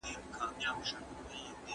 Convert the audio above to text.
په جګړه کي یې د کوم ډول وسلو ملاتړ کاوه؟